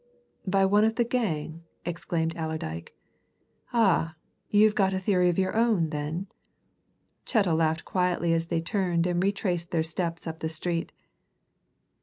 "By one of the gang!" exclaimed Allerdyke. "Ah you've got a theory of your own, then?" Chettle laughed quietly as they turned and retraced their steps up the street.